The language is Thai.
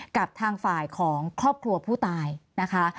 กับทางฝ่ายของครอบครัวผู้ตายนะคะ